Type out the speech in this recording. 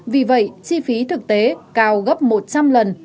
vì vậy chi phí thực tế cao gấp một trăm linh lần